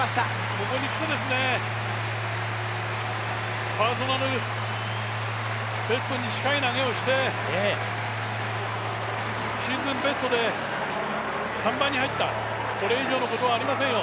ここにきて、パーソナルベストに近い投げをして、シーズンベストで３番に入った、これ以上のことはありませんよ